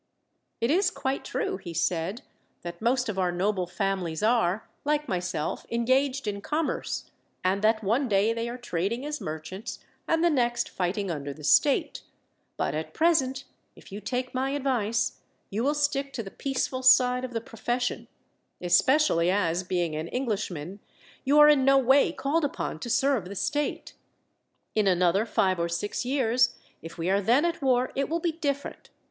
"It is quite true," he said, "that most of our noble families are, like myself, engaged in commerce; and that one day they are trading as merchants and the next fighting under the state; but at present, if you take my advice, you will stick to the peaceful side of the profession; especially as, being an Englishman, you are in no way called upon to serve the state. In another five or six years, if we are then at war, it will be different.